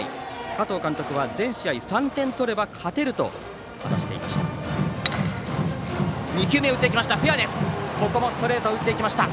加藤監督は全試合３点取れば勝てると話していました。